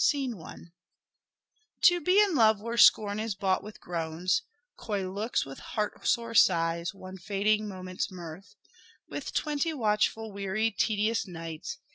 i) : "To be in love where scorn is bought with groans, Coy looks with heart sore sighs, one fading moment's mirth With twenty watchful weary tedious nights.